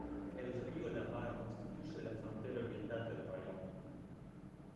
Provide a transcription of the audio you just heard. El río Labá constituye la frontera oriental del raión.